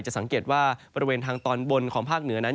สังเกตว่าบริเวณทางตอนบนของภาคเหนือนั้น